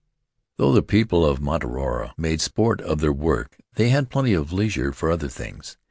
"Though the people of Mataora made sport of their work, they had plenty of leisure for other things.